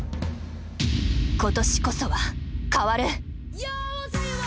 今年こそは変わる！